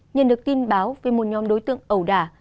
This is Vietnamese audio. nhận được tin báo về một nhóm đối tượng ẩu đả